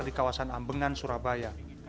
di kawasan ambengan surabaya